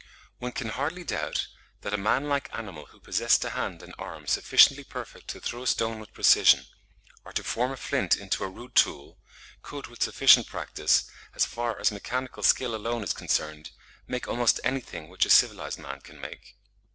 One can hardly doubt, that a man like animal who possessed a hand and arm sufficiently perfect to throw a stone with precision, or to form a flint into a rude tool, could, with sufficient practice, as far as mechanical skill alone is concerned, make almost anything which a civilised man can make.